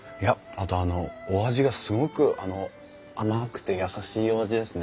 あとお味がすごく甘くて優しいお味ですね。